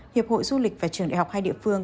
hiệp hội du lịch và trường đại học hai địa phương